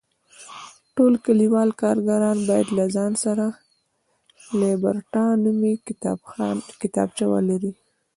ټول کلیوالي کارګران باید له ځان سره لیبرټا نومې کتابچه ولري.